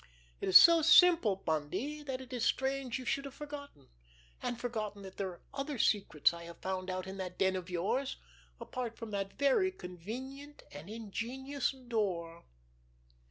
It is so simple, Bundy, that it is strange you should have forgotten—and forgotten that there are other secrets I have found in that den of yours, apart from that very convenient and ingenious door!"